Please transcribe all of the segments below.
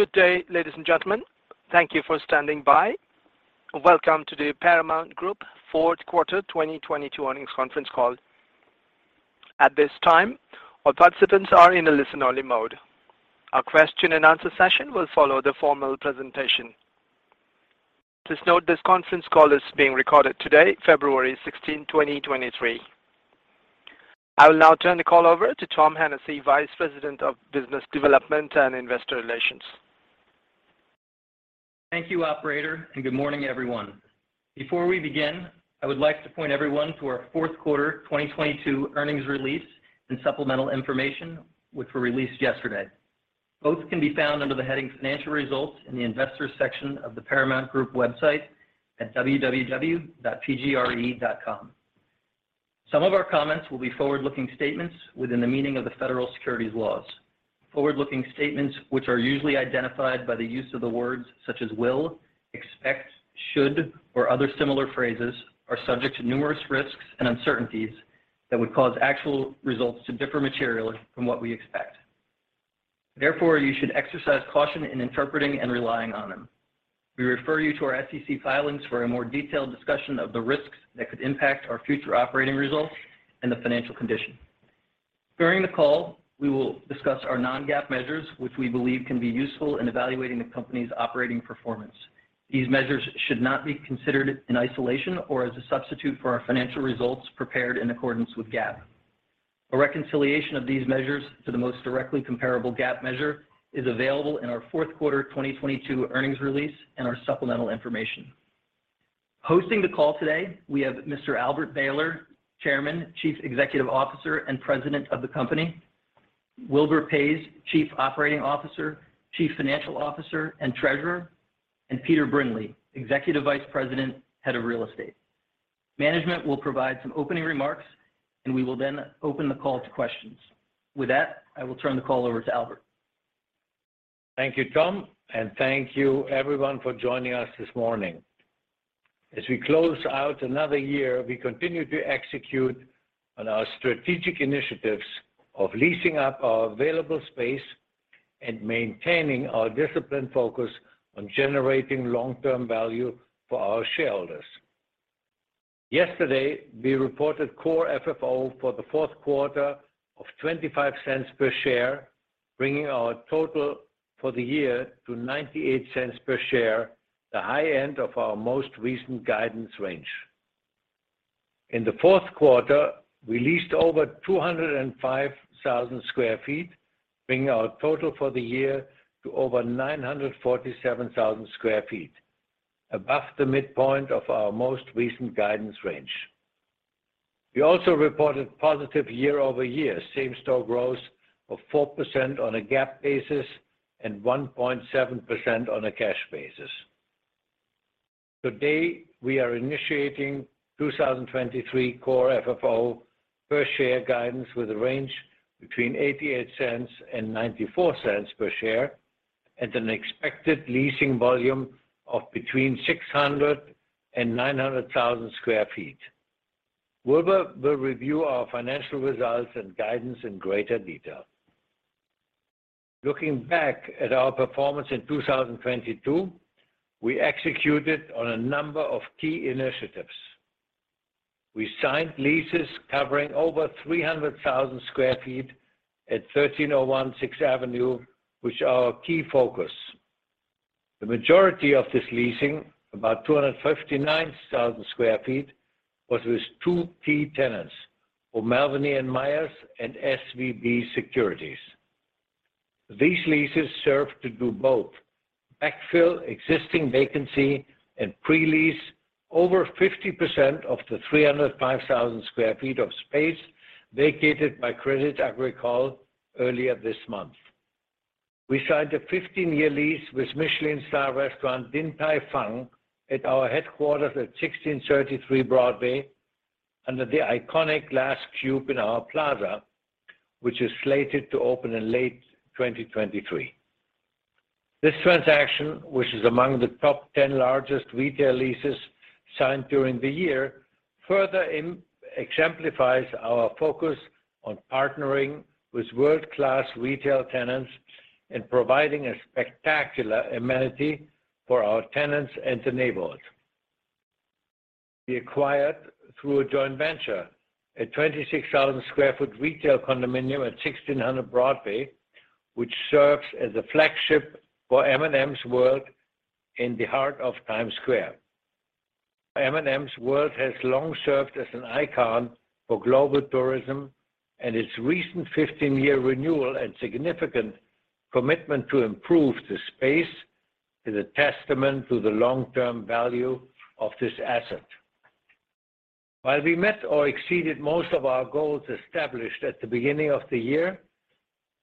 Good day, ladies and gentlemen. Thank you for standing by. Welcome to the Paramount Group fourth quarter 2022 earnings conference call. At this time, all participants are in a listen-only mode. A question and answer session will follow the formal presentation. Note this conference call is being recorded today, February 16, 2023. I will now turn the call over to Tom Hennessy, Vice President of Business Development and Investor Relations. Thank you, Operator. Good morning everyone. Before we begin, I would like to point everyone to our fourth quarter 2022 earnings release and supplemental information, which were released yesterday. Both can be found under the heading Financial Results in the Investors section of the Paramount Group website at www.pgre.com. Some of our comments will be forward-looking statements within the meaning of the federal securities laws. Forward-looking statements, which are usually identified by the use of the words such as will, expect, should, or other similar phrases, are subject to numerous risks and uncertainties that would cause actual results to differ materially from what we expect. You should exercise caution in interpreting and relying on them. We refer you to our SEC filings for a more detailed discussion of the risks that could impact our future operating results and the financial condition. During the call, we will discuss our non-GAAP measures, which we believe can be useful in evaluating the company's operating performance. These measures should not be considered in isolation or as a substitute for our financial results prepared in accordance with GAAP. A reconciliation of these measures to the most directly comparable GAAP measure is available in our fourth quarter 2022 earnings release and our supplemental information. Hosting the call today, we have Mr. Albert Behler, Chairman, Chief Executive Officer, and President of the company. Wilbur Paes, Chief Operating Officer, Chief Financial Officer, and Treasurer, and Peter Brindley, Executive Vice President, Head of Real Estate. Management will provide some opening remarks, and we will then open the call to questions. With that, I will turn the call over to Albert. Thank you, Tom. Thank you everyone for joining us this morning. As we close out another year, we continue to execute on our strategic initiatives of leasing up our available space and maintaining our disciplined focus on generating long-term value for our shareholders. Yesterday, we reported Core FFO for the fourth quarter of $0.25 per share, bringing our total for the year to $0.98 per share, the high end of our most recent guidance range. In the fourth quarter, we leased over 205,000 sq ft, bringing our total for the year to over 947,000 sq ft, above the midpoint of our most recent guidance range. We also reported positive year-over-year same-store growth of 4% on a GAAP basis and 1.7% on a cash basis. Today, we are initiating 2023 Core FFO per share guidance with a range between $0.88 and $0.94 per share, and an expected leasing volume of between 600,000 and 900,000 sq ft. Wilbur will review our financial results and guidance in greater detail. Looking back at our performance in 2022, we executed on a number of key initiatives. We signed leases covering over 300,000 sq ft at 1301 Sixth Avenue, which are our key focus. The majority of this leasing, about 259,000 sq ft, was with two key tenants, O'Melveny & Myers and SVB Securities. These leases serve to do both backfill existing vacancy and pre-lease over 50% of the 305,000 sq ft of space vacated by Crédit Agricole earlier this month. We signed a 15-year lease with Michelin star restaurant Din Tai Fung at our headquarters at 1633 Broadway under the iconic glass cube in our plaza, which is slated to open in late 2023. This transaction, which is among the top 10 largest retail leases signed during the year, further exemplifies our focus on partnering with world-class retail tenants and providing a spectacular amenity for our tenants and the neighborhood. We acquired through a joint venture a 26,000 sq ft retail condominium at 1600 Broadway, which serves as a flagship for M&M's World in the heart of Times Square. Its recent 15-year renewal and significant commitment to improve the space is a testament to the long-term value of this asset. While we met or exceeded most of our goals established at the beginning of the year,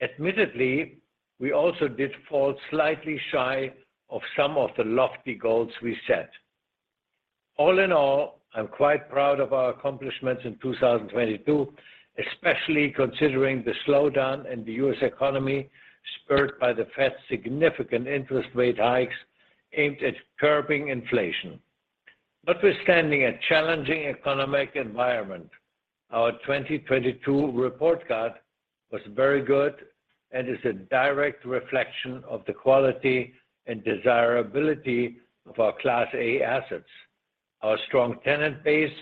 admittedly, we also did fall slightly shy of some of the lofty goals we set. I'm quite proud of our accomplishments in 2022, especially considering the slowdown in the U.S. economy spurred by the Fed's significant interest rate hikes aimed at curbing inflation. Notwithstanding a challenging economic environment, our 2022 report card was very good and is a direct reflection of the quality and desirability of our Class A assets, our strong tenant base,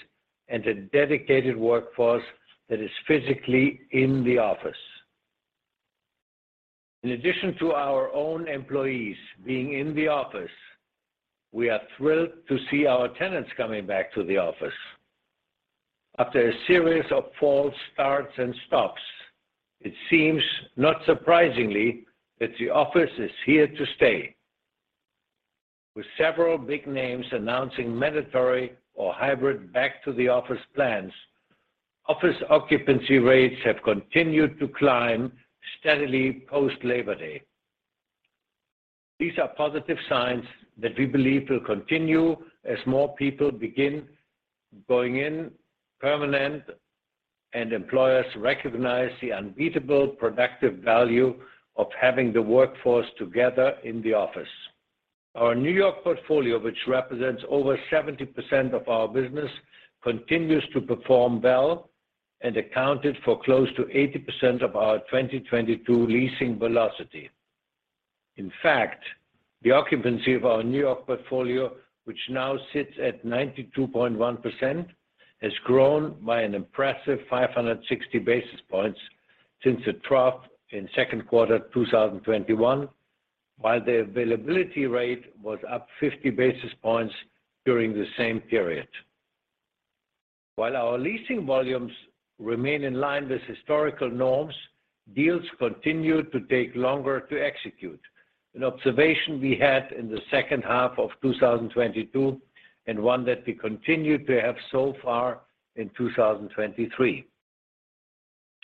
and a dedicated workforce that is physically in the office. In addition to our own employees being in the office, we are thrilled to see our tenants coming back to the office. After a series of false starts and stops, it seems, not surprisingly, that the office is here to stay. With several big names announcing mandatory or hybrid back to the office plans, office occupancy rates have continued to climb steadily post-Labor Day. These are positive signs that we believe will continue as more people begin going in permanent, and employers recognize the unbeatable productive value of having the workforce together in the office. Our New York portfolio, which represents over 70% of our business, continues to perform well and accounted for close to 80% of our 2022 leasing velocity. In fact, the occupancy of our New York portfolio, which now sits at 92.1%, has grown by an impressive 560 basis points since the trough in second quarter 2021, while the availability rate was up 50 basis points during the same period. While our leasing volumes remain in line with historical norms, deals continued to take longer to execute, an observation we had in the second half of 2022, and one that we continued to have so far in 2023.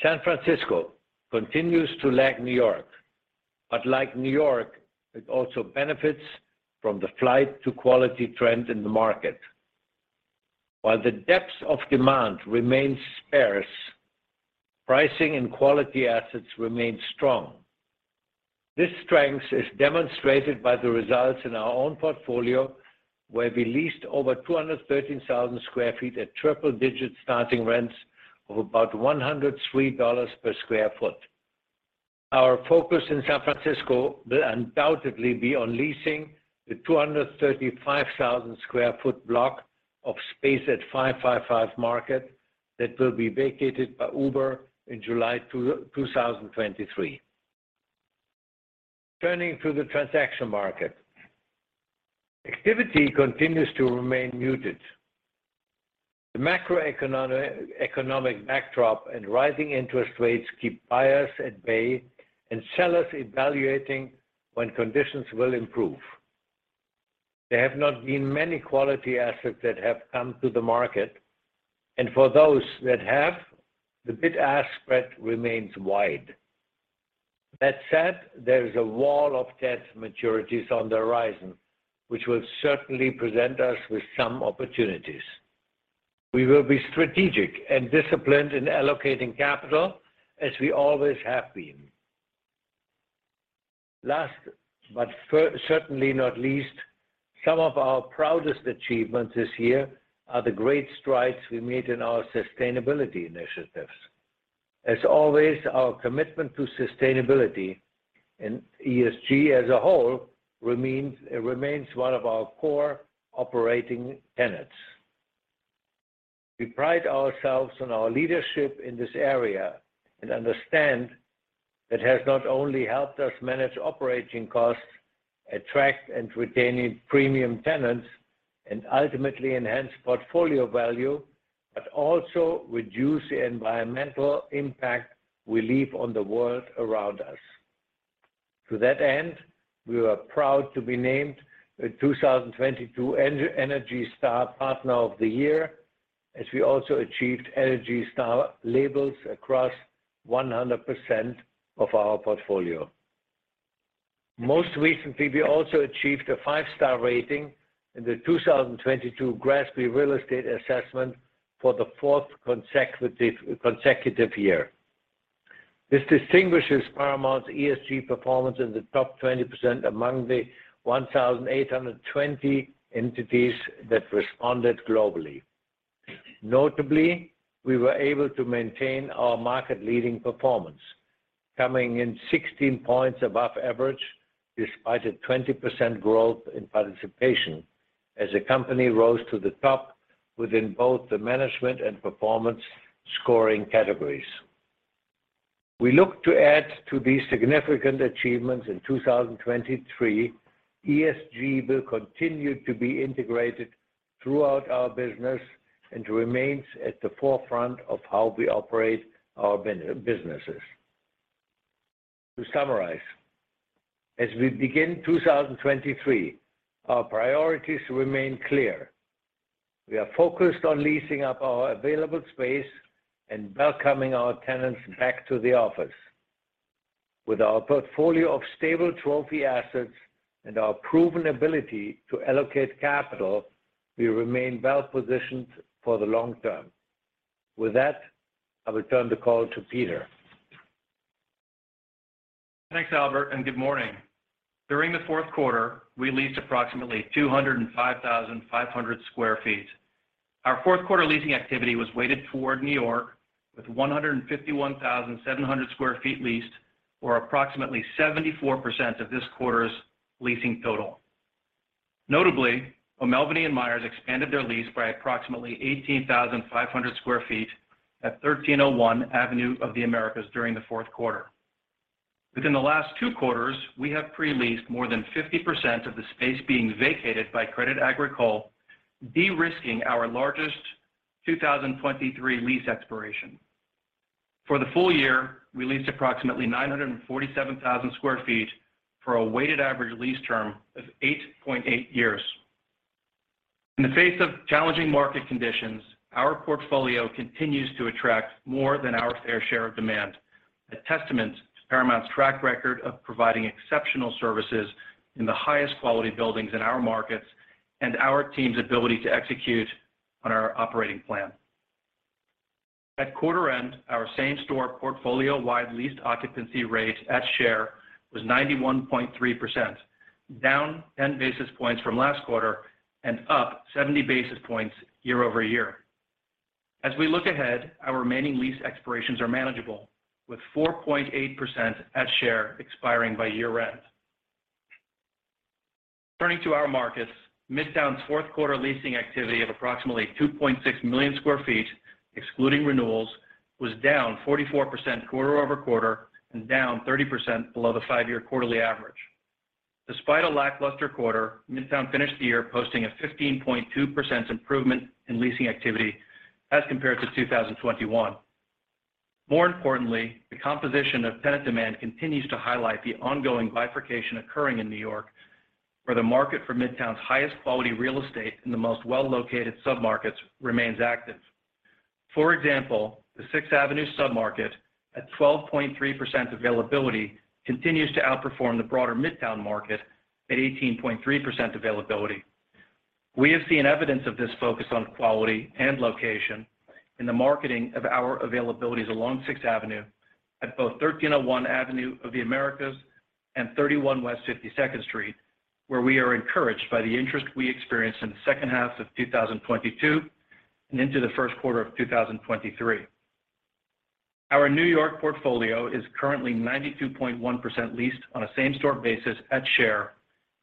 San Francisco continues to lag New York. Like New York, it also benefits from the flight to quality trend in the market. While the depth of demand remains sparse, pricing in quality assets remains strong. This strength is demonstrated by the results in our own portfolio, where we leased over 213,000 sq ft at triple-digit starting rents of about $103 per sq ft. Our focus in San Francisco will undoubtedly be on leasing the 235,000 sq ft block of space at 555 Market that will be vacated by Uber in July 2023. Turning to the transaction market. Activity continues to remain muted. The macroeconomic, economic backdrop and rising interest rates keep buyers at bay and sellers evaluating when conditions will improve. There have not been many quality assets that have come to the market, and for those that have, the bid-ask spread remains wide. That said, there is a wall of debt maturities on the horizon, which will certainly present us with some opportunities. We will be strategic and disciplined in allocating capital as we always have been. Last, but certainly not least, some of our proudest achievements this year are the great strides we made in our sustainability initiatives. As always, our commitment to sustainability and ESG as a whole remains one of our core operating tenets. We pride ourselves on our leadership in this area and understand it has not only helped us manage operating costs, attract and retaining premium tenants, and ultimately enhance portfolio value, but also reduce the environmental impact we leave on the world around us. To that end, we are proud to be named the 2022 Energy Star Partner of the Year, as we also achieved Energy Star labels across 100% of our portfolio. Most recently, we also achieved a 5-star rating in the 2022 GRESB Real Estate Assessment for the fourth consecutive year. This distinguishes Paramount's ESG performance in the top 20% among the 1,820 entities that responded globally. Notably, we were able to maintain our market-leading performance, coming in 16 points above average despite a 20% growth in participation as the company rose to the top within both the management and performance scoring categories. We look to add to these significant achievements in 2023. ESG will continue to be integrated throughout our business and remains at the forefront of how we operate our businesses. To summarize, as we begin 2023, our priorities remain clear. We are focused on leasing up our available space and welcoming our tenants back to the office. With our portfolio of stable trophy assets and our proven ability to allocate capital, we remain well positioned for the long term. With that, I return the call to Peter. Thanks, Albert. Good morning. During the fourth quarter, we leased approximately 205,500 sq ft. Our fourth quarter leasing activity was weighted toward New York with 151,700 sq ft leased or approximately 74% of this quarter's leasing total. Notably, O'Melveny & Myers expanded their lease by approximately 18,500 sq ft at 1301 Avenue of the Americas during the fourth quarter. Within the last two quarters, we have pre-leased more than 50% of the space being vacated by Crédit Agricole, de-risking our largest 2023 lease expiration. For the full year, we leased approximately 947,000 sq ft for a weighted average lease term of 8.8 years. In the face of challenging market conditions, our portfolio continues to attract more than our fair share of demand, a testament to Paramount's track record of providing exceptional services in the highest quality buildings in our markets and our team's ability to execute on our operating plan. At quarter end, our same-store portfolio-wide leased occupancy rate at share was 91.3%, down 10 basis points from last quarter and up 70 basis points year-over-year. As we look ahead, our remaining lease expirations are manageable, with 4.8% at share expiring by year-end. Turning to our markets, Midtown's fourth quarter leasing activity of approximately 2.6 million sq ft, excluding renewals, was down 44% quarter-over-quarter and down 30% below the five-year quarterly average. Despite a lackluster quarter, Midtown finished the year posting a 15.2% improvement in leasing activity as compared to 2021. The composition of tenant demand continues to highlight the ongoing bifurcation occurring in New York, where the market for Midtown's highest quality real estate in the most well-located submarkets remains active. The Sixth Avenue submarket, at 12.3% availability, continues to outperform the broader Midtown market at 18.3% availability. We have seen evidence of this focus on quality and location in the marketing of our availabilities along Sixth Avenue at both 1301 Avenue of the Americas and 31 West 52nd Street, where we are encouraged by the interest we experienced in the second half of 2022 and into the first quarter of 2023. Our New York portfolio is currently 92.1% leased on a same-store basis at share,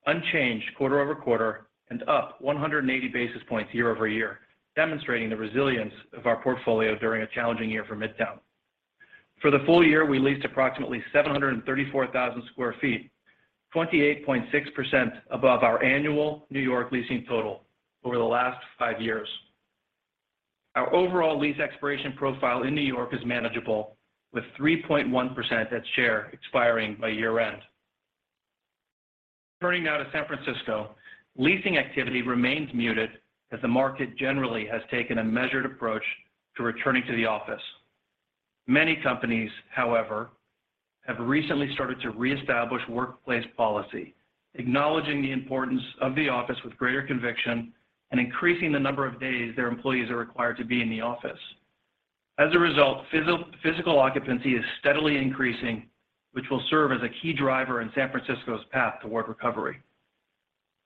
unchanged quarter-over-quarter and up 180 basis points year-over-year, demonstrating the resilience of our portfolio during a challenging year for Midtown. For the full year, we leased approximately 734,000 sq ft, 28.6% above our annual New York leasing total over the last five years. Our overall lease expiration profile in New York is manageable, with 3.1% at share expiring by year-end. Turning now to San Francisco, leasing activity remains muted as the market generally has taken a measured approach to returning to the office. Many companies, however, have recently started to reestablish workplace policy, acknowledging the importance of the office with greater conviction and increasing the number of days their employees are required to be in the office. As a result, physical occupancy is steadily increasing, which will serve as a key driver in San Francisco's path toward recovery.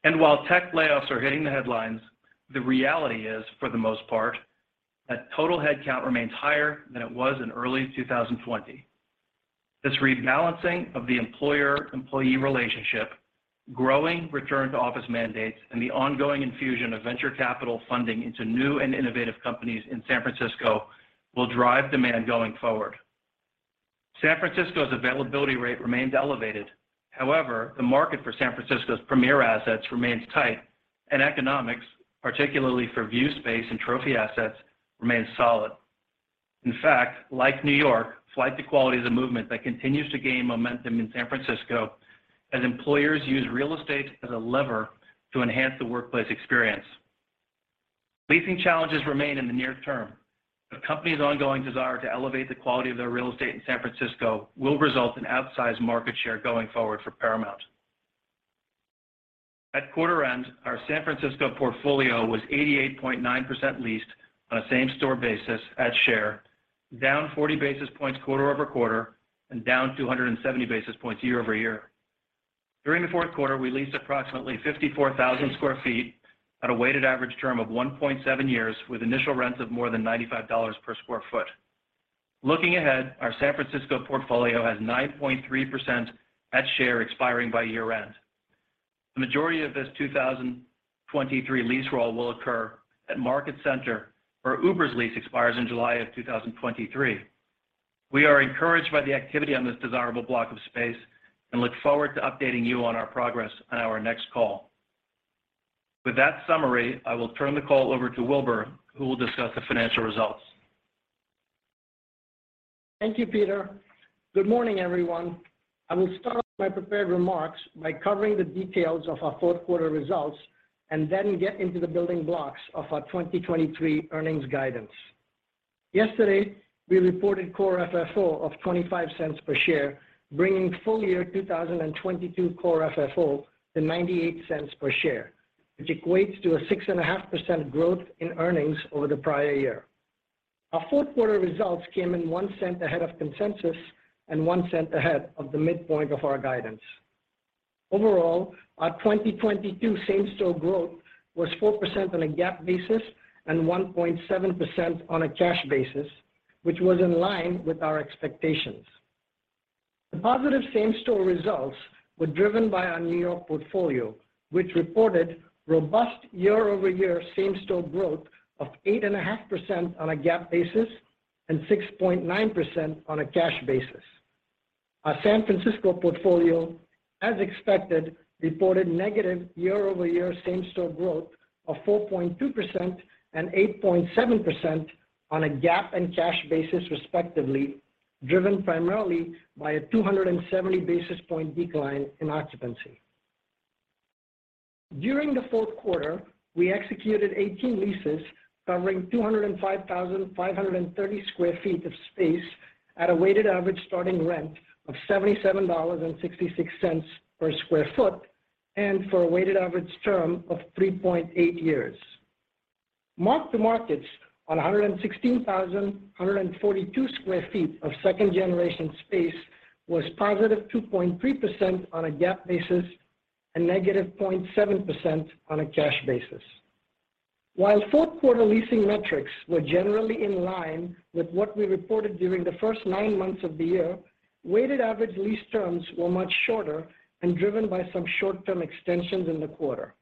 While tech layoffs are hitting the headlines, the reality is, for the most part, that total headcount remains higher than it was in early 2020. This rebalancing of the employer-employee relationship, growing return to office mandates, and the ongoing infusion of venture capital funding into new and innovative companies in San Francisco will drive demand going forward. San Francisco's availability rate remains elevated. However, the market for San Francisco's premier assets remains tight, and economics, particularly for view space and trophy assets, remains solid. In fact, like New York, flight to quality is a movement that continues to gain momentum in San Francisco as employers use real estate as a lever to enhance the workplace experience. Leasing challenges remain in the near term. Companies' ongoing desire to elevate the quality of their real estate in San Francisco will result in outsized market share going forward for Paramount. At quarter end, our San Francisco portfolio was 88.9% leased on a same-store basis at share, down 40 basis points quarter-over-quarter and down 270 basis points year-over-year. During the fourth quarter, we leased approximately 54,000 sq ft at a weighted average term of 1.7 years with initial rents of more than $95 per sq ft. Looking ahead, our San Francisco portfolio has 9.3% at share expiring by year-end. The majority of this 2023 lease roll will occur at Market Center, where Uber's lease expires in July of 2023. We are encouraged by the activity on this desirable block of space and look forward to updating you on our progress on our next call. With that summary, I will turn the call over to Wilbur, who will discuss the financial results. Thank you, Peter. Good morning, everyone. I will start my prepared remarks by covering the details of our fourth quarter results and then get into the building blocks of our 2023 earnings guidance. Yesterday, we reported Core FFO of $0.25 per share, bringing full year 2022 Core FFO to $0.98 per share, which equates to a 6.5% growth in earnings over the prior year. Our fourth quarter results came in $0.01 ahead of consensus and $0.01 ahead of the midpoint of our guidance. Overall, our 2022 same-store growth was 4% on a GAAP basis and 1.7% on a cash basis, which was in line with our expectations. The positive same-store results were driven by our New York portfolio, which reported robust year-over-year same-store growth of 8.5% on a GAAP basis and 6.9% on a cash basis. Our San Francisco portfolio, as expected, reported negative year-over-year same-store growth of 4.2% and 8.7% on a GAAP and cash basis, respectively, driven primarily by a 270 basis point decline in occupancy. During the fourth quarter, we executed 18 leases covering 205,530 sq ft of space at a weighted average starting rent of $77.66 per sq ft and for a weighted average term of 3.8 years. Mark-to-markets on 116,142 sq ft of second generation space was +2.3% on a GAAP basis and -0.7% on a cash basis. While fourth quarter leasing metrics were generally in line with what we reported during the first nine months of the year, weighted average lease terms were much shorter and driven by some short-term extensions in the quarter.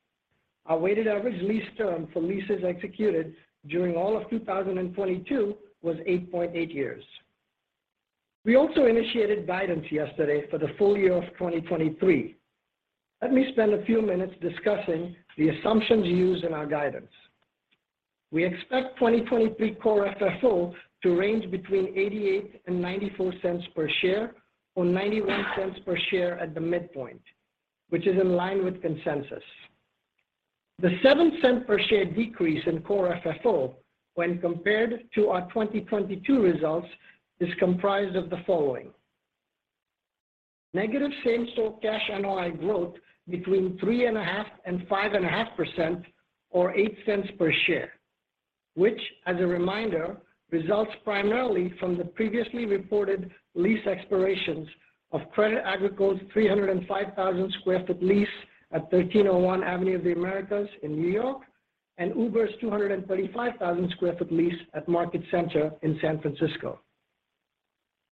Our weighted average lease term for leases executed during all of 2022 was 8.8 years. We also initiated guidance yesterday for the full year of 2023. Let me spend a few minutes discussing the assumptions used in our guidance. We expect 2023 Core FFO to range between $0.88 and $0.94 per share or $0.91 per share at the midpoint, which is in line with consensus. The $0.07 per share decrease in Core FFO when compared to our 2022 results is comprised of the following: negative same-store cash NOI growth between 3.5% and 5.5% or $0.08 per share, which as a reminder, results primarily from the previously reported lease expirations of Crédit Agricole's 305,000 sq ft lease at 1301 Avenue of the Americas in New York and Uber's 235,000 sq ft lease at Market Center in San Francisco.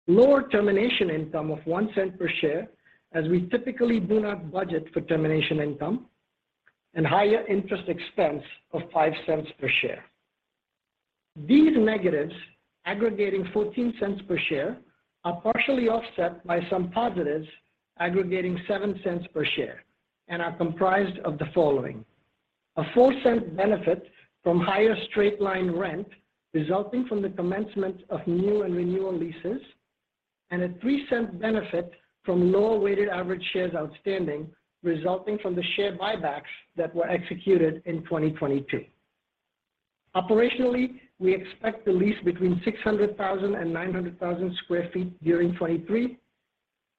Lower termination income of $0.01 per share, as we typically do not budget for termination income and higher interest expense of $0.05 per share. These negatives aggregating $0.14 per share are partially offset by some positives aggregating $0.07 per share and are comprised of the following: A $0.04 benefit from higher straight-line rent resulting from the commencement of new and renewal leases, and a $0.03 benefit from lower weighted average shares outstanding, resulting from the share buybacks that were executed in 2022. Operationally, we expect to lease between 600,000 and 900,000 sq ft during 2023,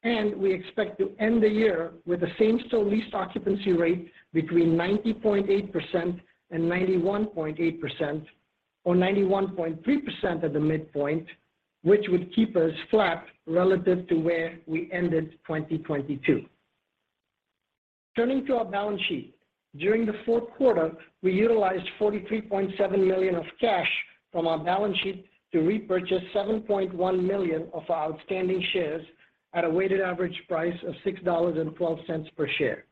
and we expect to end the year with the same-store lease occupancy rate between 90.8% and 91.8% or 91.3% at the midpoint, which would keep us flat relative to where we ended 2022. Turning to our balance sheet. During the fourth quarter, we utilized $43.7 million of cash from our balance sheet to repurchase 7.1 million of our outstanding shares at a weighted average price of $6.12 per share.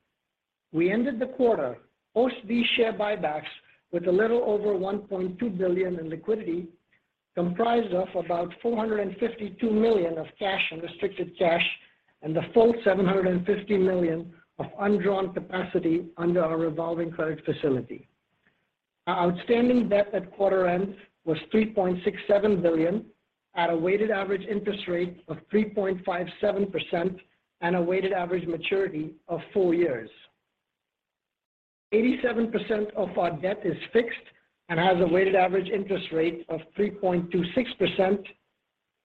We ended the quarter post these share buybacks with a little over $1.2 billion in liquidity, comprised of about $452 million of cash and restricted cash and the full $750 million of undrawn capacity under our revolving credit facility. Our outstanding debt at quarter end was $3.67 billion at a weighted average interest rate of 3.57% and a weighted average maturity of four years. 87% of our debt is fixed and has a weighted average interest rate of 3.26%.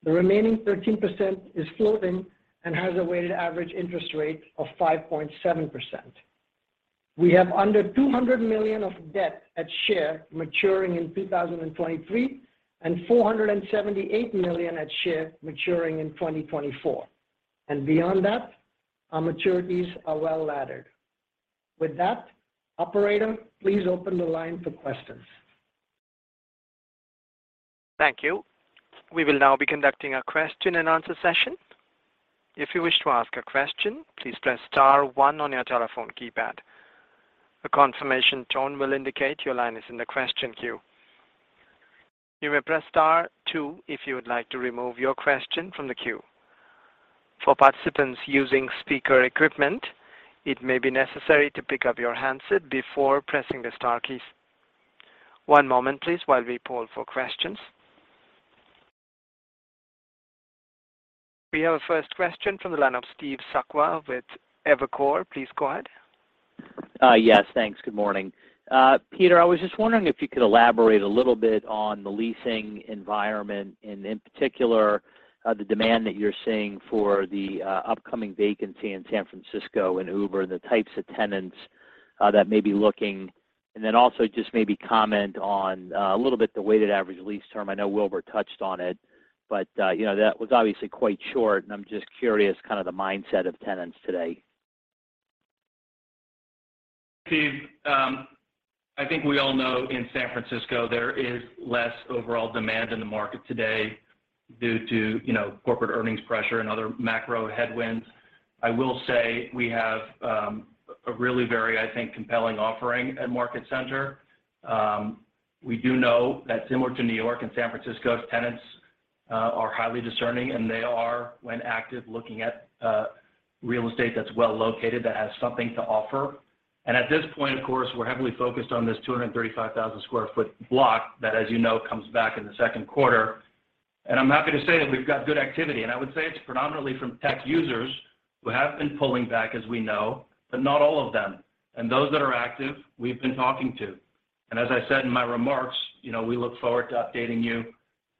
The remaining 13% is floating and has a weighted average interest rate of 5.7%. We have under $200 million of debt at share maturing in 2023, and $478 million at share maturing in 2024. Beyond that, our maturities are well laddered. With that, operator, please open the line for questions. Thank you. We will now be conducting a question and answer session. If you wish to ask a question, please press star one on your telephone keypad. A confirmation tone will indicate your line is in the question queue. You may press Star two if you would like to remove your question from the queue. For participants using speaker equipment, it may be necessary to pick up your handset before pressing the star keys. One moment please while we poll for questions. We have a first question from the line of Steve Sakwa with Evercore. Please go ahead. Yes, thanks. Good morning. Peter, I was just wondering if you could elaborate a little bit on the leasing environment and in particular, the demand that you're seeing for the upcoming vacancy in San Francisco and Uber and the types of tenants that may be looking. Then also just maybe comment on a little bit the weighted average lease term. I know Wilbur touched on it, but, you know, that was obviously quite short, and I'm just curious kind of the mindset of tenants today. Steve, I think we all know in San Francisco there is less overall demand in the market today due to corporate earnings pressure and other macro headwinds. I will say we have a really very, I think, compelling offering at Market Center. We do know that similar to New York and San Francisco, tenants are highly discerning, and they are, when active, looking at real estate that's well-located, that has something to offer. At this point, of course, we're heavily focused on this 235,000 sq ft block that, as comes back in the second quarter. I'm happy to say that we've got good activity. I would say it's predominantly from tech users who have been pulling back, as we know, but not all of them. Those that are active, we've been talking to. As I said in my remarks, we look forward to updating you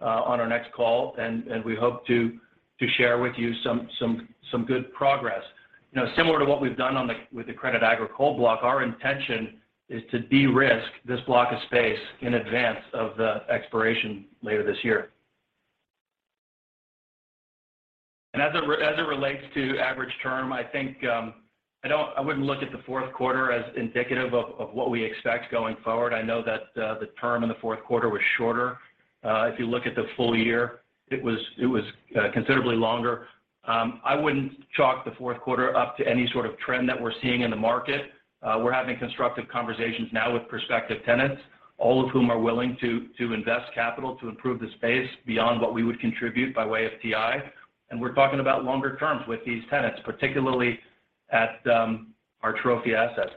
on our next call, and we hope to share with you some good progress. You know, similar to what we've done with the Crédit Agricole block, our intention is to de-risk this block of space in advance of the expiration later this year. As it relates to average term, I think, I wouldn't look at the fourth quarter as indicative of what we expect going forward. I know that the term in the fourth quarter was shorter. If you look at the full year, it was considerably longer. I wouldn't chalk the fourth quarter up to any trend that we're seeing in the market. We're having constructive conversations now with prospective tenants, all of whom are willing to invest capital to improve the space beyond what we would contribute by way of TI. We're talking about longer terms with these tenants, particularly at our trophy assets.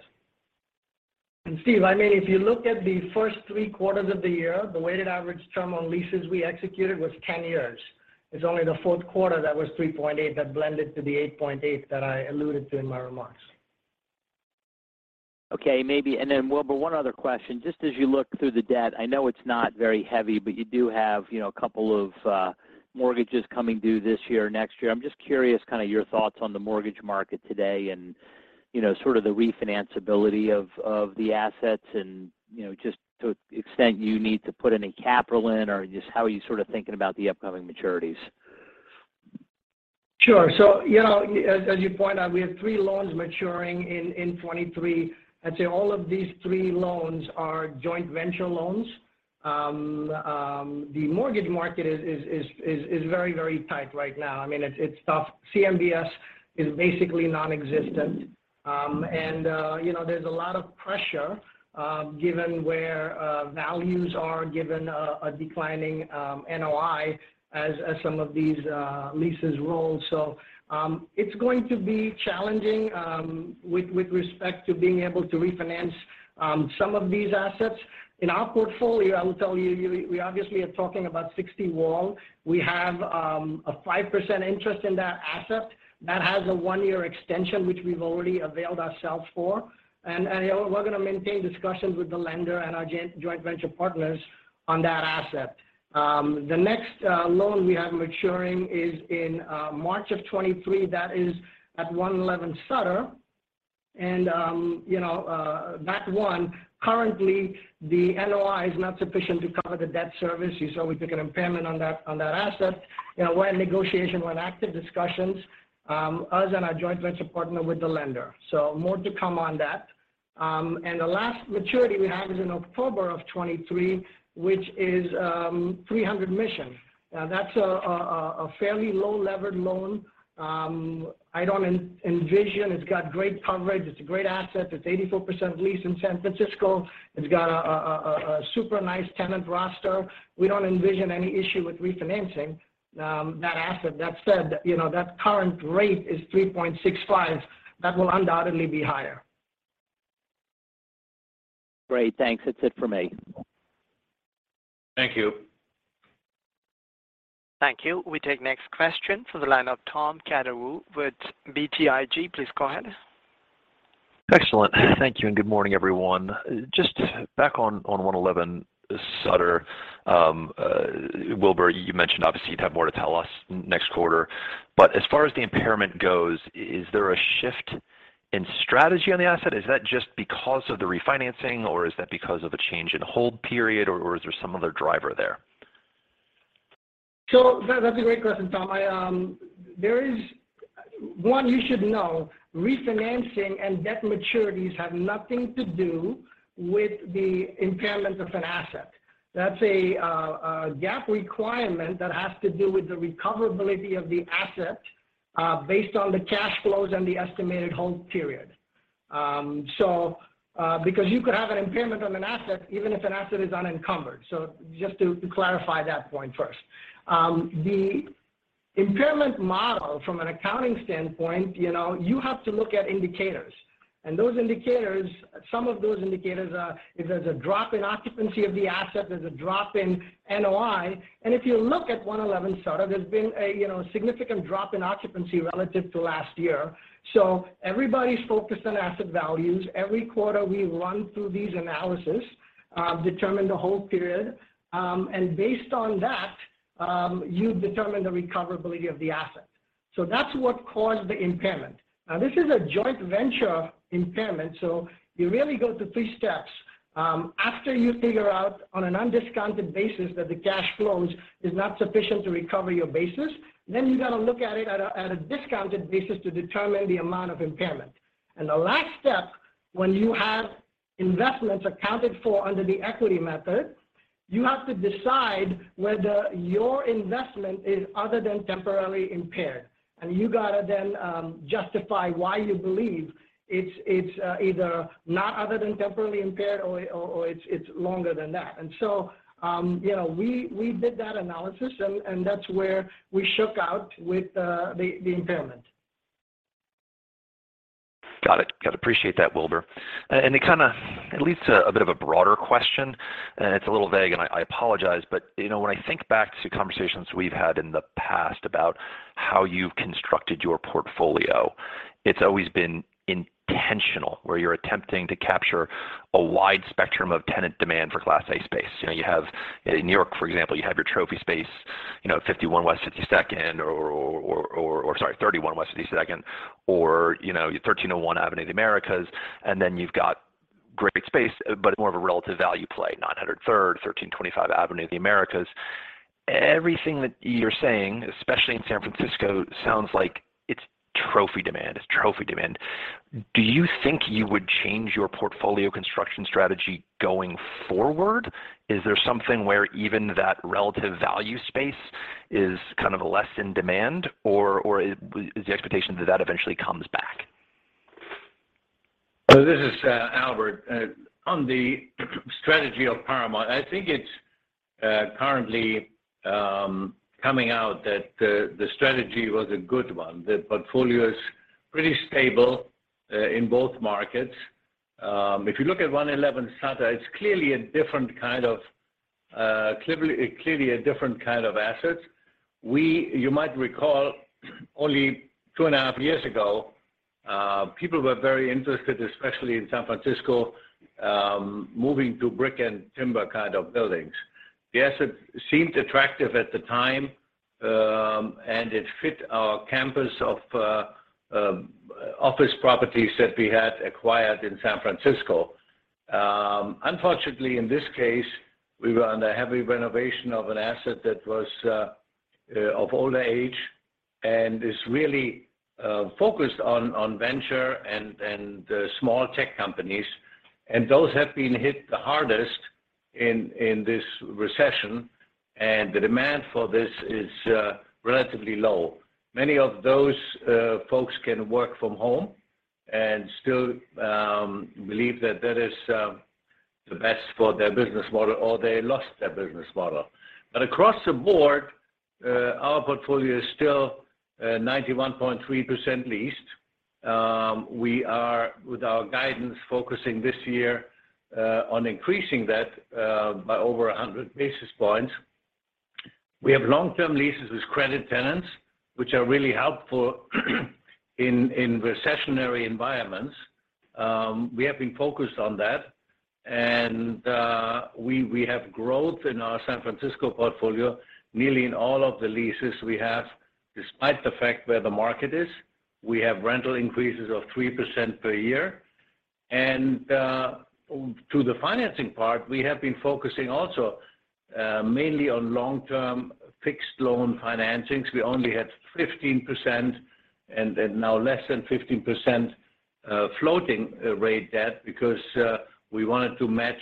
Steve, I mean, if you look at the first three quarters of the year, the weighted average term on leases we executed was 10 years. It's only the fourth quarter that was 3.8 that blended to the 8.8 that I alluded to in my remarks. Okay. Wilbur, one other question. Just as you look through the debt, I know it's not very heavy, but you do have a couple of mortgages coming due this year or next year. I'm just curious, your thoughts on the mortgage market today and the refinance ability of the assets and just to extent you need to put any capital in or just how are you thinking about the upcoming maturities? Sure. You know, as you point out, we have three loans maturing in 2023. I'd say all of these three loans are joint venture loans. The mortgage market is very, very tight right now. I mean, it's tough. CMBS is basically nonexistent. There's a lot of pressure given where values are, given a declining NOI as some of these leases roll. It's going to be challenging with respect to being able to refinance some of these assets. In our portfolio, I will tell you, we obviously are talking about Sixty Wall. We have a 5% interest in that asset. That has a one-year extension, which we've already availed ourselves for. We're gonna maintain discussions with the lender and our joint venture partners on that asset. The next loan we have maturing is in March of 2023. That is at 111 Sutter. You know, that one, currently the NOI is not sufficient to cover the debt service. You saw we took an impairment on that asset. We're in negotiation, we're in active discussions, us and our joint venture partner with the lender. More to come on that. The last maturity we have is in October of 2023, which is 300 Mission. Now that's a fairly low levered loan. It's got great coverage. It's a great asset. It's 84% leased in San Francisco. It's got a super nice tenant roster. We don't envision any issue with refinancing, that asset. That said, that current rate is 3.65. That will undoubtedly be higher. Great. Thanks. That's it for me. Thank you. Thank you. We take next question from the line of Tom Catherwood with BTIG. Please go ahead. Excellent. Thank you, and good morning, everyone. Just back on 111 Sutter, Wilbur, you mentioned obviously you'd have more to tell us next quarter. As far as the impairment goes, is there a shift in strategy on the asset? Is that just because of the refinancing, or is that because of a change in hold period, or is there some other driver there? That, that's a great question, Tom. One, you should know refinancing and debt maturities have nothing to do with the impairment of an asset. That's a GAAP requirement that has to do with the recoverability of the asset, based on the cash flows and the estimated hold period. because you could have an impairment on an asset even if an asset is unencumbered. Just to clarify that point first. The impairment model from an accounting standpoint, you have to look at indicators. Those indicators, some of those indicators are if there's a drop in occupancy of the asset, there's a drop in NOI. If you look at 111 Sutter, there's been a significant drop in occupancy relative to last year. Everybody's focused on asset values. Every quarter we run through these analysis, determine the hold period, and based on that, you determine the recoverability of the asset. That's what caused the impairment. Now, this is a joint venture impairment, so you really go through three steps. After you figure out on an undiscounted basis that the cash flows is not sufficient to recover your basis, then you got to look at it at a discounted basis to determine the amount of impairment. The last step when you have investments accounted for under the equity method, you have to decide whether your investment is other than temporarily impaired. You got to then justify why you believe it's either not other than temporarily impaired or it's longer than that. We did that analysis and that's where we shook out with the impairment. Got it. Appreciate that, Wilbur. It leads to a bit of a broader question, and it's a little vague, and I apologize. When I think back to conversations we've had in the past about how you've constructed your portfolio, it's always been intentional, where you're attempting to capture a wide spectrum of tenant demand for Class A space. You know, you have, in New York, for example, you have your trophy space at 51 West 52nd, or 31 West 52nd, or 1301 Avenue of the Americas. Then you've got great space, but more of a relative value play, 900 Third, 1325 Avenue of the Americas. Everything that you're saying, especially in San Francisco, sounds like it's trophy demand. It's trophy demand. Do you think you would change your portfolio construction strategy going forward? Is there something where even that relative value space is less in demand, or is the expectation that that eventually comes back? This is Albert. On the strategy of Paramount, I think it's currently coming out that the strategy was a good one. The portfolio is pretty stable in both markets. If you look at 111 Sutter, it's clearly a different asset. You might recall only two and a half years ago, people were very interested, especially in San Francisco, moving to brick and timber buildings. The asset seemed attractive at the time, and it fit our campus of office properties that we had acquired in San Francisco. Unfortunately, in this case, we were under heavy renovation of an asset that was of older age and is really focused on venture and small tech companies, and those have been hit the hardest in this recession. The demand for this is relatively low. Many of those folks can work from home and still believe that that is the best for their business model, or they lost their business model. Across the board, our portfolio is still 91.3% leased. We are, with our guidance, focusing this year on increasing that by over 100 basis points. We have long-term leases with credit tenants, which are really helpful in recessionary environments. We have been focused on that. We have growth in our San Francisco portfolio, nearly in all of the leases we have. Despite the fact where the market is, we have rental increases of 3% per year. To the financing part, we have been focusing also mainly on long-term fixed loan financings. We only had 15% and now less than 15% floating rate debt because we wanted to match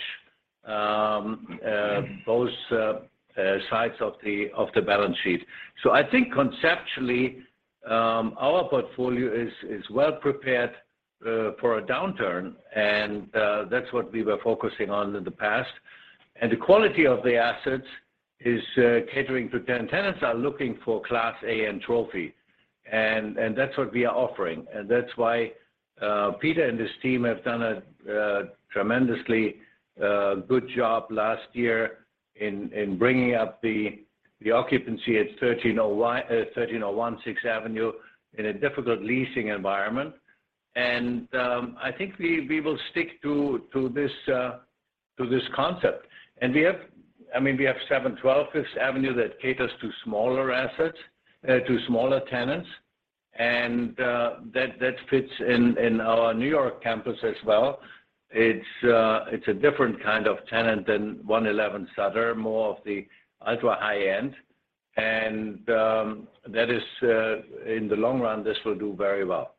both sides of the balance sheet. I think conceptually, our portfolio is well prepared for a downturn, and that's what we were focusing on in the past. The quality of the assets is catering to 10 tenants are looking for Class A and trophy. That's what we are offering. That's why Peter and his team have done a tremendously good job last year in bringing up the occupancy at 1301 Sixth Avenue in a difficult leasing environment. I think we will stick to this concept. I mean, we have 712 Fifth Avenue that caters to smaller assets, to smaller tenants, and that fits in our New York campus as well. It's a different tenant than 111 Sutter, more of the ultra-high end. That is in the long run, this will do very well.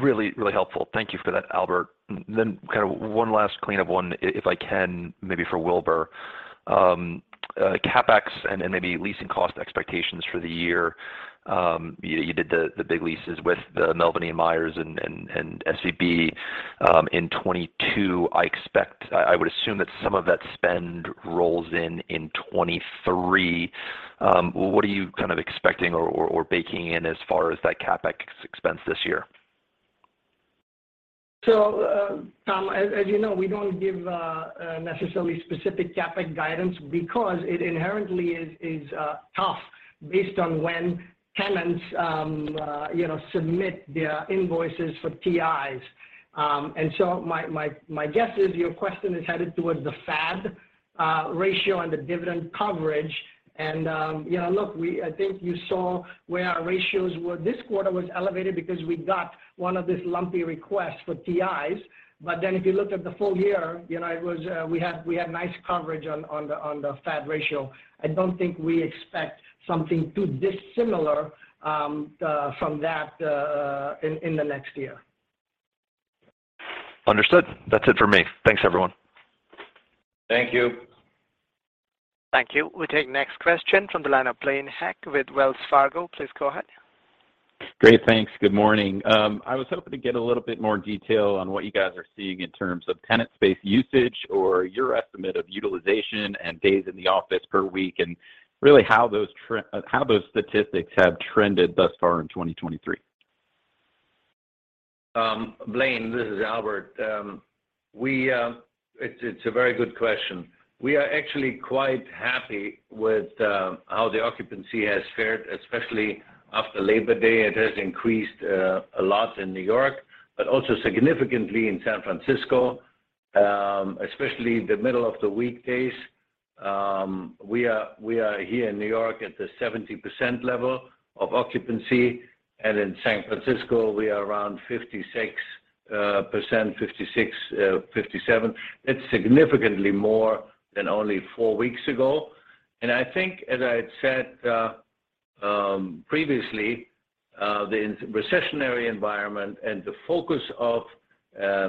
Really helpful. Thank you for that, Albert. Kind of one last cleanup one, if I can, maybe for Wilbur. CapEx and maybe leasing cost expectations for the year. You did the big leases with O'Melveny & Myers and SVB in 2022. I would assume that some of that spend rolls in in 2023. What are you expecting or baking in as far as that CapEx expense this year? Tom, as you know, we don't give necessarily specific CapEx guidance because it inherently is tough based on when tenants, submit their invoices for TIs. My guess is your question is headed towards the FAD ratio and the dividend coverage. Look, I think you saw where our ratios were. This quarter was elevated because we got one of these lumpy requests for TIs. If you look at the full year, it was, we had nice coverage on the FAD ratio. I don't think we expect something too dissimilar from that in the next year. Understood. That's it for me. Thanks, everyone. Thank you. Thank you. We take next question from the line of Blaine Heck with Wells Fargo. Please go ahead. Great. Thanks. Good morning. I was hoping to get a little bit more detail on what you guys are seeing in terms of tenant space usage or your estimate of utilization and days in the office per week, and really how those statistics have trended thus far in 2023. Blaine, this is Albert. It's a very good question. We are actually quite happy with how the occupancy has fared, especially after Labor Day. It has increased a lot in New York, also significantly in San Francisco, especially the middle of the weekdays. We are here in New York at the 70% level of occupancy, in San Francisco, we are around 56%-57%. It's significantly more than only four weeks ago. I think, as I said previously, the recessionary environment and the focus of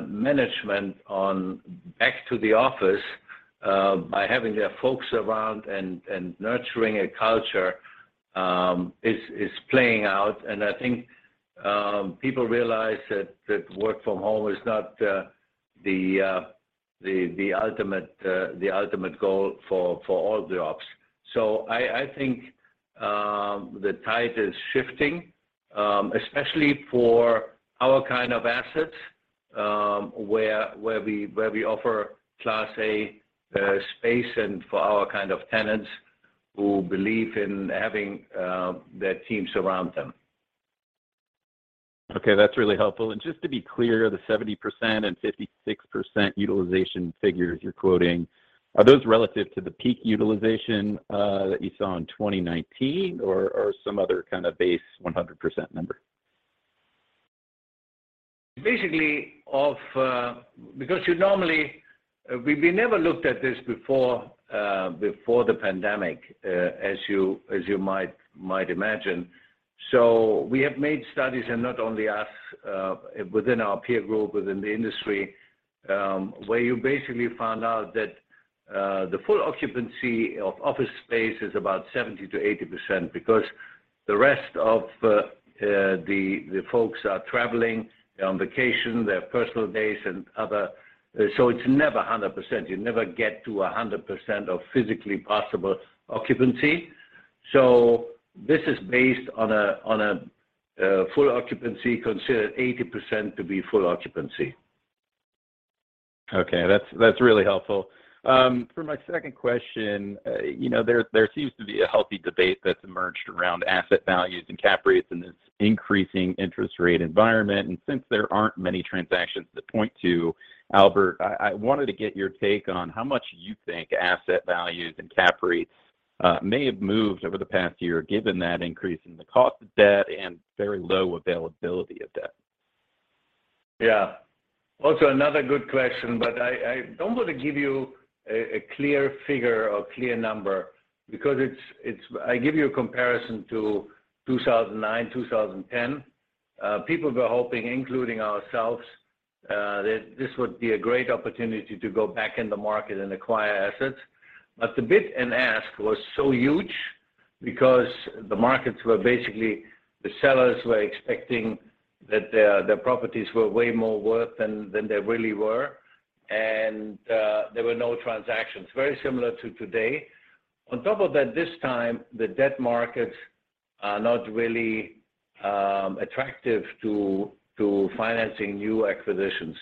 management on back to the office, by having their folks around and nurturing a culture, is playing out. I think, people realize that work from home is not the ultimate goal for all jobs. I think, the tide is shifting, especially for our assets, where we offer Class A space and for our tenants who believe in having their teams around them. Okay, that's really helpful. Just to be clear, the 70% and 56% utilization figures you're quoting, are those relative to the peak utilization that you saw in 2019 or some other base 100% number? We never looked at this before the pandemic, as you might imagine. We have made studies, and not only us, within our peer group, within the industry, where you basically found out that, the full occupancy of office space is about 70%-80% because the rest of the folks are traveling, they're on vacation, their personal days and other. It's never 100%. You never get to 100% of physically possible occupancy. This is based on a full occupancy, consider 80% to be full occupancy. Okay. That's really helpful. For my second question, there seems to be a healthy debate that's emerged around asset values and cap rates in this increasing interest rate environment. Since there aren't many transactions to point to, Albert, I wanted to get your take on how much you think asset values and cap rates may have moved over the past year, given that increase in the cost of debt and very low availability of debt. Yeah. Also another good question, but I don't want to give you a clear figure or clear number because I give you a comparison to 2009, 2010. People were hoping, including ourselves, that this would be a great opportunity to go back in the market and acquire assets. But the bid-ask was so huge because the markets were basically, the sellers were expecting that their properties were way more worth than they really were. And there were no transactions. Very similar to today. On top of that, this time, the debt markets are not really attractive to financing new acquisitions.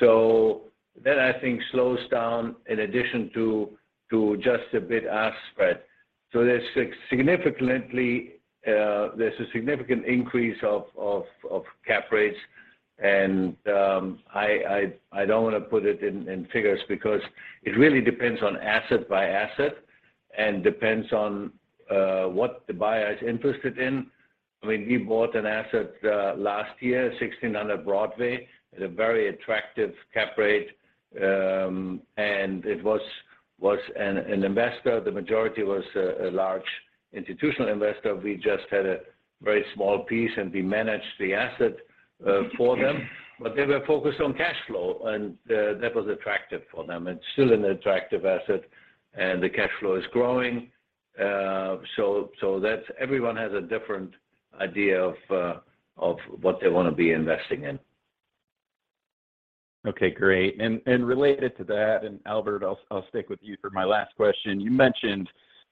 So that, I think, slows down in addition to just a bid-ask spread. So there's significantly, there's a significant increase of cap rates. I don't want to put it in figures because it really depends on asset by asset and depends on what the buyer is interested in. I mean, we bought an asset last year, 1,600 Broadway, at a very attractive cap rate. It was an investor. The majority was a large institutional investor. We just had a very small piece, and we managed the asset for them. They were focused on cash flow, and that was attractive for them. It's still an attractive asset, and the cash flow is growing. That's, everyone has a different idea of what they want to be investing in. Okay, great. Related to that, Albert, I'll stick with you for my last question. You mentioned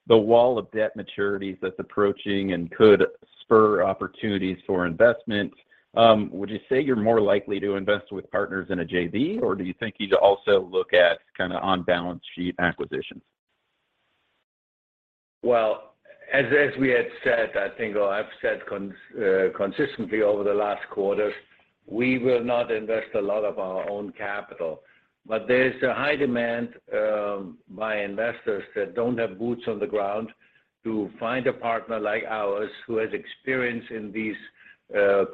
the wall of debt maturities that's approaching and could spur opportunities for investment. Would you say you're more likely to invest with partners in a JV, or do you think you'd also look at kind of on-balance sheet acquisitions? As we had said, I think, or I've said consistently over the last quarters, we will not invest a lot of our own capital. There's a high demand by investors that don't have boots on the ground to find a partner like ours who has experience in these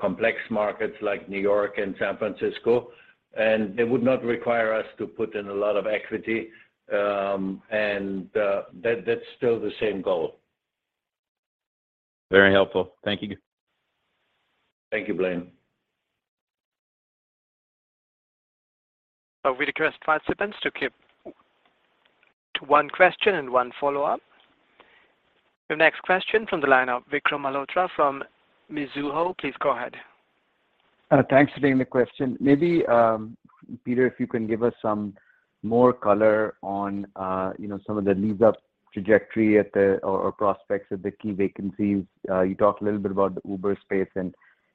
complex markets like New York and San Francisco, and they would not require us to put in a lot of equity, and that's still the same goal. Very helpful. Thank you. Thank you, Blaine. We request participants to keep to one question and one follow-up. Your next question from the line of Vikram Malhotra from Mizuho. Please go ahead. Thanks for taking the question. Maybe Peter, if you can give us some more color on some of the lease-up trajectory at the or prospects of the key vacancies. You talked a little bit about the Uber space and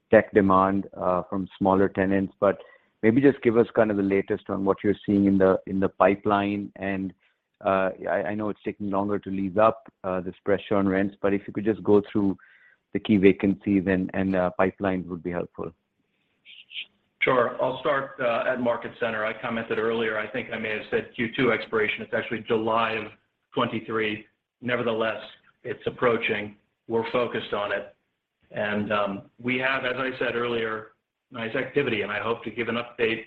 tech demand from smaller tenants, but maybe just give us the latest on what you're seeing in the pipeline and, I know it's taking longer to lease up, this pressure on rents, but if you could just go through the key vacancies and pipelines would be helpful. Sure. I'll start at Market Center. I commented earlier, I think I may have said Q2 expiration. It's actually July of 2023. Nevertheless, it's approaching. We're focused on it. We have, as I said earlier, nice activity, and I hope to give an update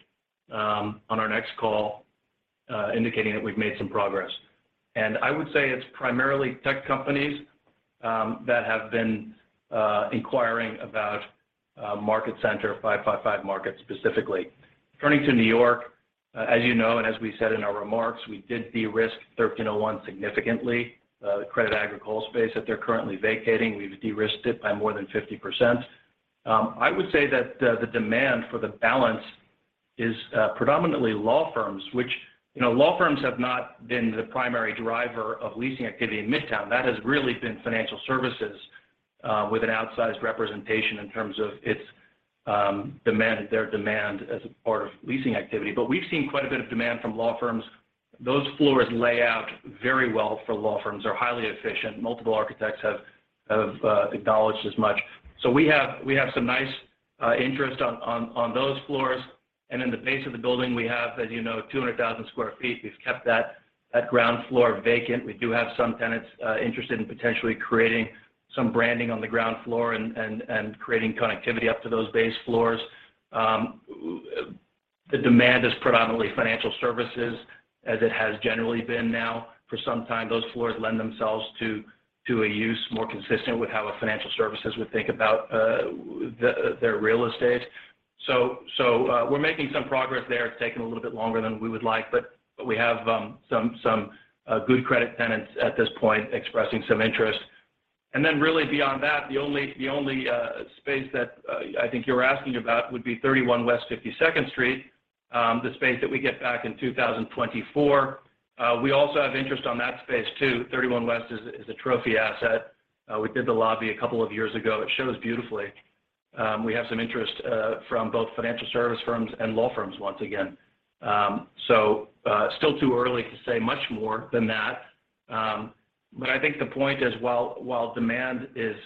on our next call indicating that we've made some progress. I would say it's primarily tech companies that have been inquiring about Market Center, 555 Market specifically. Turning to New York, as you know, and as we said in our remarks, we did de-risk 1301 significantly, the Crédit Agricole space that they're currently vacating. We've de-risked it by more than 50%. I would say that the demand for the balance is predominantly law firms, which law firms have not been the primary driver of leasing activity in Midtown. That has really been financial services with an outsized representation in terms of its demand, their demand as a part of leasing activity. We've seen quite a bit of demand from law firms. Those floors lay out very well for law firms. They're highly efficient. Multiple architects have acknowledged as much. We have some nice interest on those floors. In the base of the building, we have, as you know, 200,000 sq ft. We've kept that ground floor vacant. We do have some tenants interested in potentially creating some branding on the ground floor and creating connectivity up to those base floors. The demand is predominantly financial services, as it has generally been now for some time. Those floors lend themselves to a use more consistent with how a financial services would think about their real estate. We're making some progress there. It's taking a little bit longer than we would like, but we have some good credit tenants at this point expressing some interest. Really beyond that, the only space that I think you're asking about would be 31 West 52nd Street, the space that we get back in 2024. We also have interest on that space too. 31 West is a trophy asset. We did the lobby a couple of years ago. It shows beautifully. We have some interest from both financial service firms and law firms once again. Still too early to say much more than that. I think the point is, while demand is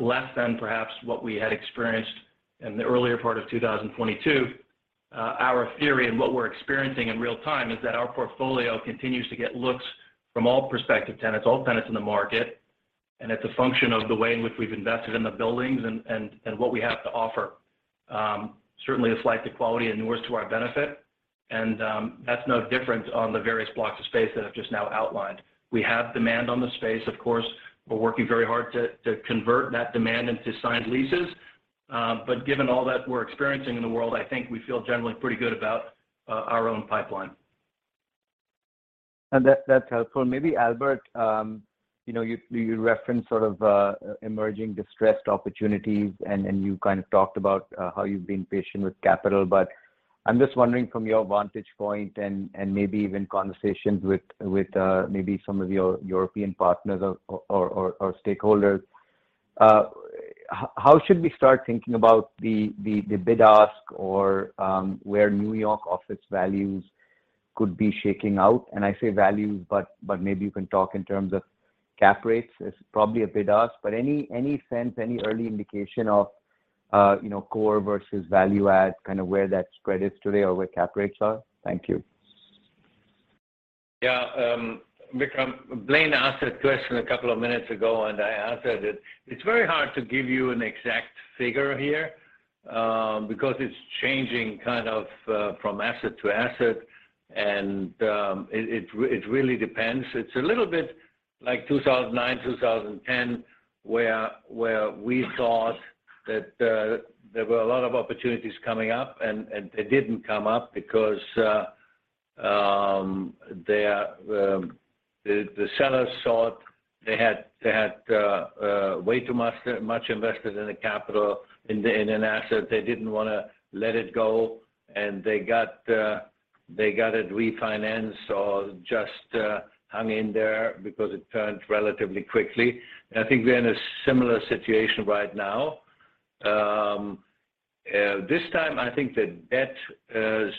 less than perhaps what we had experienced in the earlier part of 2022, our theory and what we're experiencing in real time is that our portfolio continues to get looks from all prospective tenants, all tenants in the market. It's a function of the way in which we've invested in the buildings and what we have to offer. Certainly a flight to quality and nuance to our benefit. That's no different on the various blocks of space that I've just now outlined. We have demand on the space. Of course, we're working very hard to convert that demand into signed leases. Given all that we're experiencing in the world, I think we feel generally pretty good about our own pipeline. That, that's helpful. Maybe Albert, you referenced sort of emerging distressed opportunities and you talked about how you've been patient with capital. I'm just wondering from your vantage point and maybe even conversations with maybe some of your European partners or, or stakeholders, how should we start thinking about the, the bid-ask or where New York office values could be shaking out? I say values, but maybe you can talk in terms of cap rates is probably a bid-ask. Any, any sense, any early indication of core versus value add, where that spread is today or where cap rates are? Thank you. Yeah. Vikram, Blaine asked that question a couple of minutes ago. I answered it. It's very hard to give you an exact figure here because it's changing from asset to asset. It really depends. It's a little bit like 2009, 2010, where we thought that there were a lot of opportunities coming up, they didn't come up because they are the sellers thought they had way too much invested in the capital in an asset. They didn't wanna let it go. They got it refinanced or just hung in there because it turned relatively quickly. I think we're in a similar situation right now. This time, I think the debt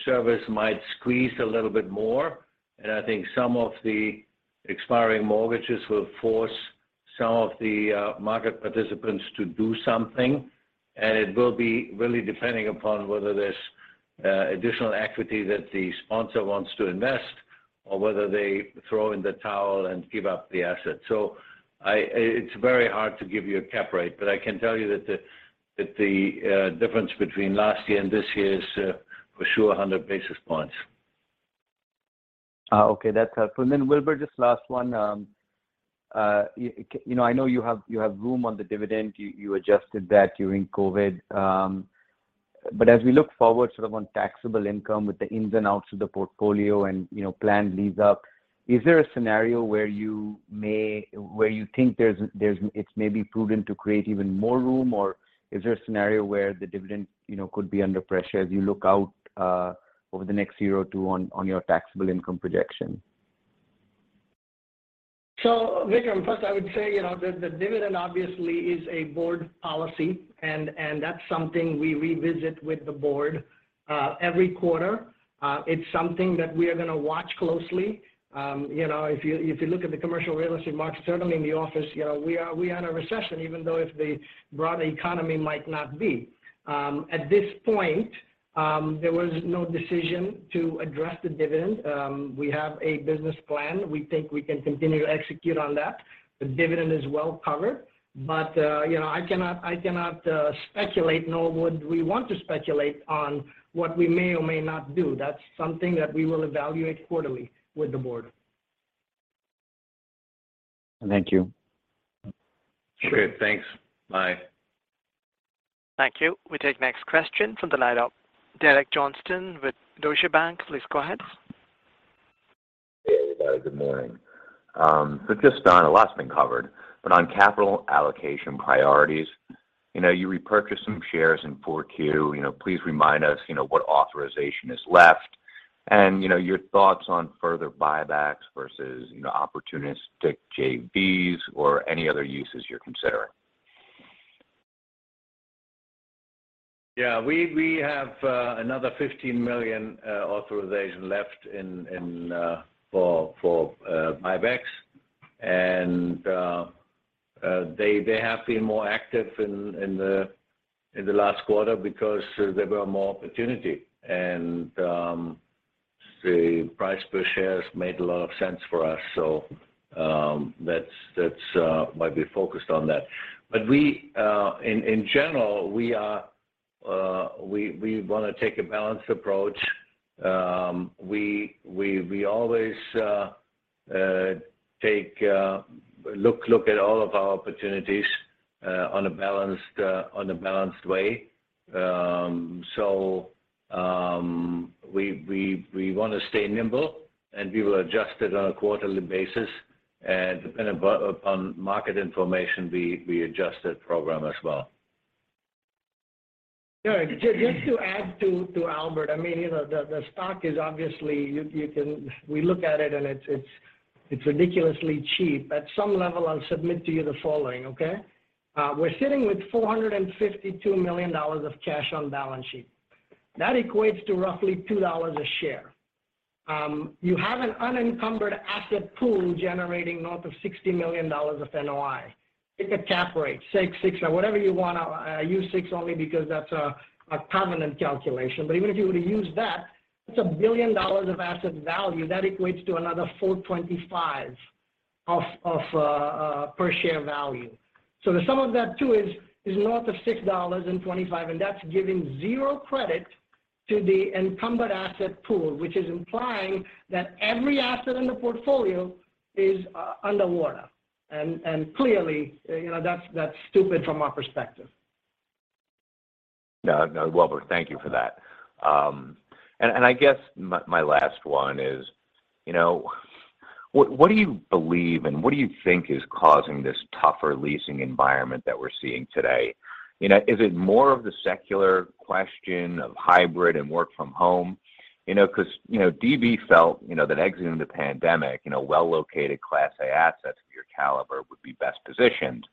service might squeeze a little bit more, and I think some of the expiring mortgages will force some of the market participants to do something. It will be really depending upon whether there's additional equity that the sponsor wants to invest or whether they throw in the towel and give up the asset. It's very hard to give you a cap rate, but I can tell you that the difference between last year and this year is for sure 100 basis points. Okay. That's helpful. Then Wilbur, just last one. You know, I know you have, you have room on the dividend. You adjusted that during COVID. As we look forward on taxable income with the ins and outs of the portfolio and planned lease up, is there a scenario where you think it's maybe prudent to create even more room? Is there a scenario where the dividend could be under pressure as you look out over the next year or two on your taxable income projection? Vikram, first I would say, the dividend obviously is a board policy and that's something we revisit with the board every quarter. It's something that we are gonna watch closely. If you look at the commercial real estate market, certainly in the office, we are in a recession, even though if the broad economy might not be. At this point, there was no decision to address the dividend. We have a business plan. We think we can continue to execute on that. The dividend is well covered. I cannot speculate nor would we want to speculate on what we may or may not do. That's something that we will evaluate quarterly with the board. Thank you. Great. Thanks. Bye. Thank you. We take next question from the line of Derek Johnston with Deutsche Bank. Please go ahead. Hey. Hello. Good morning. Just on a lot's been covered, but on capital allocation priorities, you repurchased some shares in 4Q. You know, please remind us what authorization is left and your thoughts on further buybacks versus opportunistic JVs or any other uses you're considering. Yeah. We have another $15 million authorization left in for buybacks. They have been more active in the last quarter because there were more opportunity. The price per share has made a lot of sense for us. That's why we focused on that. We in general wanna take a balanced approach. We always look at all of our opportunities on a balanced way. We want to stay nimble, and we will adjust it on a quarterly basis. Depending upon market information, we adjust that program as well. Derek, just to add to Albert, I mean, the stock is obviously, we look at it, and it's ridiculously cheap. At some level, I'll submit to you the following, okay. We're sitting with $452 million of cash on balance sheet. That equates to roughly $2 a share. You have an unencumbered asset pool generating north of $60 million of NOI. Pick a cap rate, six or whatever you want. I use six only because that's a covenant calculation. Even if you were to use that's $1 billion of asset value. That equates to another $4.25 of per share value. The sum of that two is north of $6.25. That's giving zero credit to the encumbered asset pool, which is implying that every asset in the portfolio is under water. Clearly, that's stupid from our perspective. No, no. Wilbur, thank you for that. I guess my last one is what do you believe and what do you think is causing this tougher leasing environment that we're seeing today? You know, is it more of the secular question of hybrid and work from home? You know, 'cause DB felt that exiting the pandemic, well located Class A assets of your caliber would be best positioned.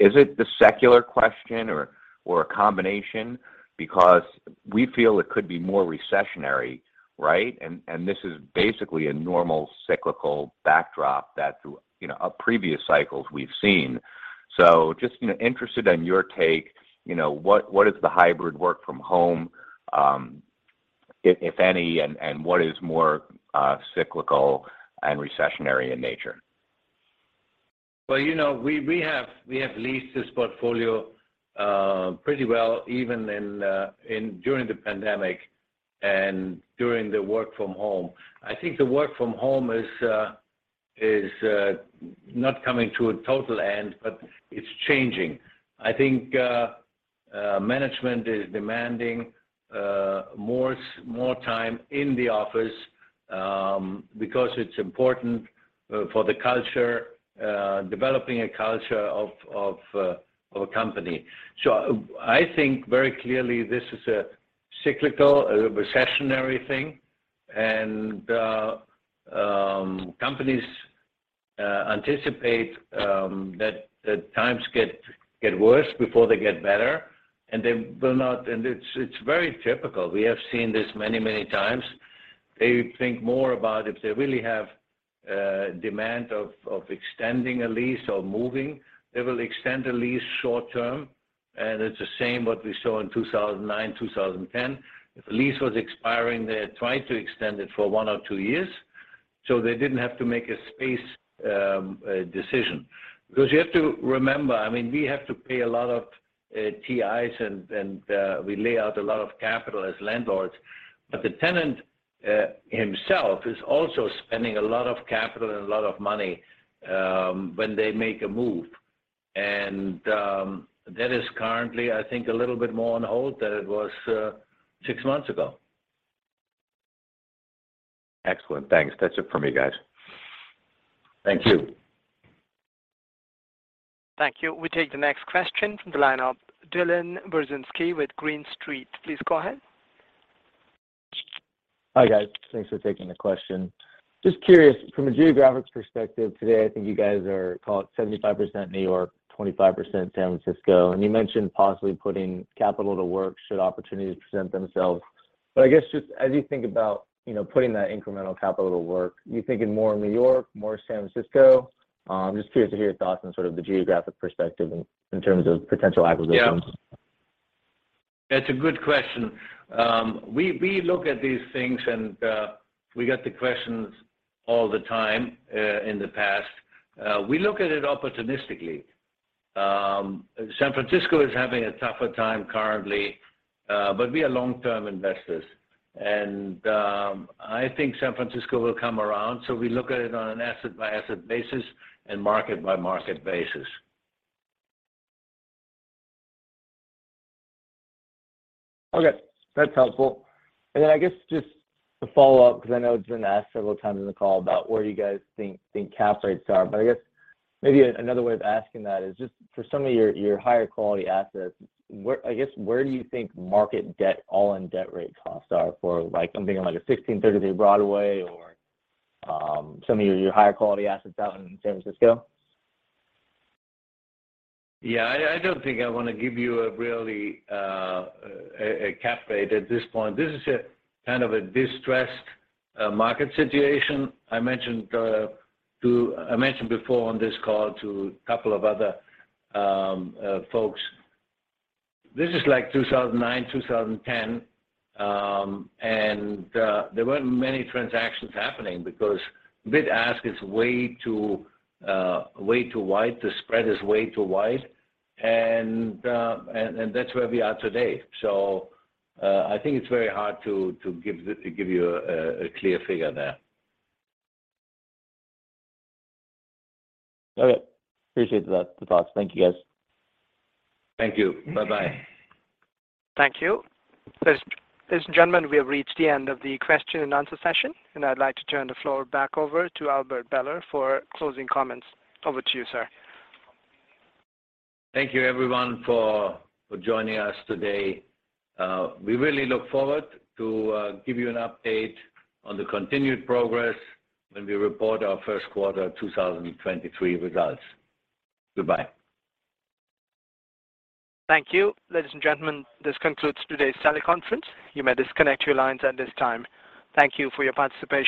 Is it the secular question or a combination? Because we feel it could be more recessionary, right? This is basically a normal cyclical backdrop that previous cycles we've seen. Just interested on your take. What is the hybrid work from home, if any, and what is more cyclical and recessionary in nature? Well, we have leased this portfolio pretty well even during the pandemic and during the work from home. I think the work from home is not coming to a total end, but it's changing. I think management is demanding more time in the office because it's important for the culture, developing a culture of a company. I think very clearly this is a cyclical, a recessionary thing. Companies anticipate that times get worse before they get better, and they will not and it's very typical. We have seen this many times. They think more about if they really have demand of extending a lease or moving. They will extend a lease short-term, and it's the same what we saw in 2009, 2010. If a lease was expiring, they had tried to extend it for one or two years, so they didn't have to make a space decision. Because you have to remember, I mean, we have to pay a lot of TIs and we lay out a lot of capital as landlords. The tenant himself is also spending a lot of capital and a lot of money when they make a move. That is currently, I think, a little bit more on hold than it was six months ago. Excellent. Thanks. That's it for me, guys. Thank you. Thank you. We take the next question from the line of Dylan Burzinski with Green Street. Please go ahead. Hi, guys. Thanks for taking the question. Just curious, from a geographics perspective today, I think you guys are, call it 75% New York, 25% San Francisco. You mentioned possibly putting capital to work should opportunities present themselves. I guess, just as you think about putting that incremental capital to work, you thinking more New York, more San Francisco? Just curious to hear your thoughts on the geographic perspective in terms of potential acquisitions. Yeah. That's a good question. We look at these things and we got the questions all the time in the past. We look at it opportunistically. San Francisco is having a tougher time currently, but we are long-term investors, and I think San Francisco will come around. We look at it on an asset-by-asset basis and market-by-market basis. Okay. That's helpful. I guess just to follow up, because I know it's been asked several times in the call about where you guys think cap rates are. I guess maybe another way of asking that is just for some of your higher quality assets, I guess, where do you think market debt, all-in debt rate costs are for like, I'm thinking like a 1630 Broadway or, some of your higher quality assets out in San Francisco? Yeah. I don't think I wanna give you a really, a cap rate at this point. This is a distressed market situation. I mentioned before on this call to a couple of other folks. This is like 2009, 2010. There weren't many transactions happening because bid-ask is way too wide. The spread is way too wide. That's where we are today. I think it's very hard to give you a clear figure there. Okay. Appreciate that, the thoughts. Thank you, guys. Thank you. Bye-bye. Thank you. Ladies and gentlemen, we have reached the end of the question and answer session, and I'd like to turn the floor back over to Albert Behler for closing comments. Over to you, sir. Thank you, everyone, for joining us today. We really look forward to give you an update on the continued progress when we report our first quarter 2023 results. Goodbye. Thank you. Ladies and gentlemen, this concludes today's teleconference. You may disconnect your lines at this time. Thank you for your participation.